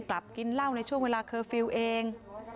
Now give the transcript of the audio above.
กลับกินเหล้าในช่วงเวลาเคอร์ฟิลล์เอง